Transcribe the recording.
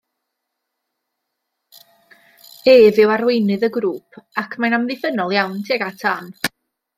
Ef yw arweinydd y grŵp ac mae'n amddiffynnol iawn tuag at Anne.